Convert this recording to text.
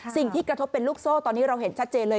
สิ่งที่กระทบเป็นลูกโซ่ตอนนี้เราเห็นชัดเจนเลย